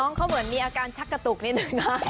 เขาเหมือนมีอาการชักกระตุกนิดนึงนะ